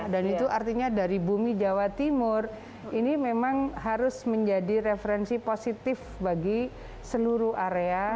dan itu artinya dari bumi jawa timur ini memang harus menjadi referensi positif bagi seluruh area